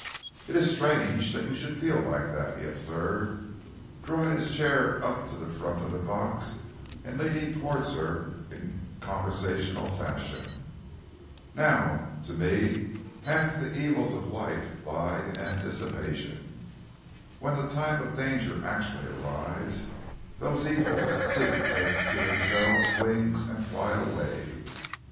"It is strange that you should feel like that," he observed, drawing his chair up to the front of the box and leaning towards her in conversational fashion. "Now to me half the evils of life lie in anticipation. When the time of danger actually arrives, those evils seem to take to themselves wings and fly away.